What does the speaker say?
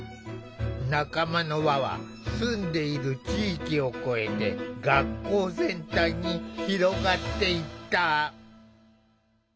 仲間の輪は住んでいる地域を超えて学校全体に広がっていった。